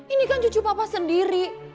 ini kan cucu papa sendiri